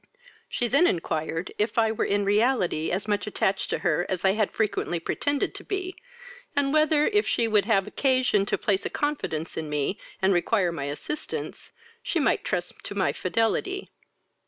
She then inquired if I were in reality as much attached to her as I had frequently pretended to be, and whether, if she should have occasion to place a confidence in me, and require my assistance, she might trust to my fidelity?